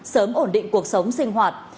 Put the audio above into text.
sớm ổn định cuộc sống sinh hoạt